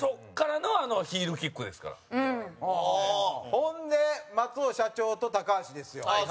ほんで、松尾社長と高橋ですよ。